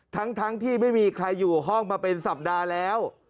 ทั้งที่ไม่มีใครอยู่ห้องมาเป็นสัปดาห์แล้ว